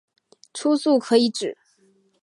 初速可以指